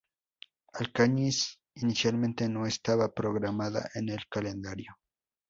Alcañiz inicialmente no estaba programada en el calendario.